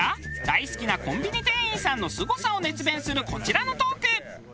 大好きなコンビニ店員さんのすごさを熱弁するこちらのトーク。